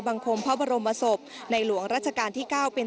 บังคมพระบรมศพในหลวงราชการที่เก้าเป็น